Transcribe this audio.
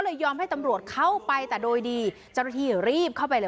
เลยยอมให้ตำรวจเข้าไปแต่โดยดีเจ้าที่รีบเข้าไป